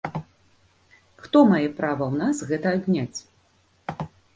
Хто мае права ў нас гэта адняць?!